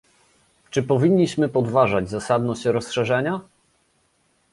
Czy powinniśmy podważać zasadność rozszerzenia?